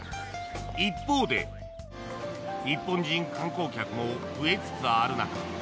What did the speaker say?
一方で日本人観光客も増えつつある中